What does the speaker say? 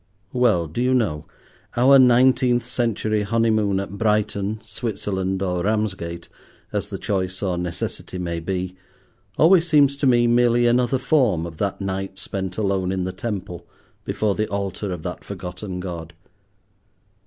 Well, do you know, our nineteenth century honeymoon at Brighton, Switzerland, or Ramsgate, as the choice or necessity may be, always seems to me merely another form of that night spent alone in the temple before the altar of that forgotten god.